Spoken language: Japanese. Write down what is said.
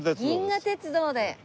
銀河鉄道で。